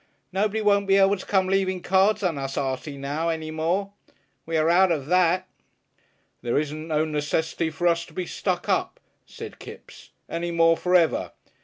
"Nobody won't be able to come leaving cards on us, Artie, now, any more. We are out of that!" "There isn't no necessity for us to be stuck up," said Kipps, "any more for ever!